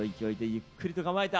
ゆっくりと構えた。